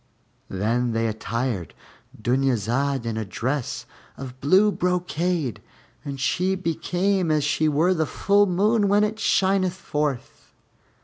Then they attired Dunyazad in a dress of blue brocade, and she became as she were the full moon when it shineth forth.